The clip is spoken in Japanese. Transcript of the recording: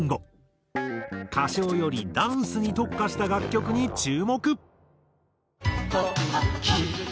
歌唱よりダンスに特化した楽曲に注目。